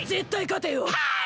はい！